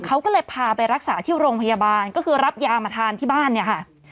เขาก็เลยพาไปรักษาที่โรงพยาบาลก็คือรับยามาทานที่บ้านเนี่ยค่ะ